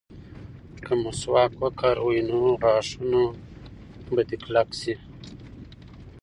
که مسواک وکاروې نو غاښونه به دې کلک شي.